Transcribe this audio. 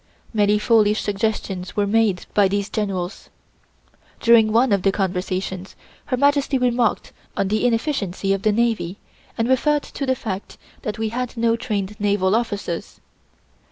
Many foolish suggestions were made by these generals. During one of the conversations Her Majesty remarked on the inefficiency of the navy and referred to the fact that we had no trained naval officers.